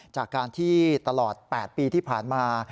จากการที่ตลอด๘ปีที่ผ่านมา